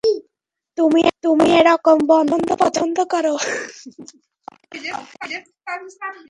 তুমি এরকম রন্ধন পছন্দ করো?